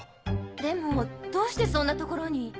でもどうしてそんな所に。